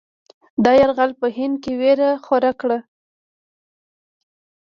دا یرغل په هند کې وېره خوره کړه.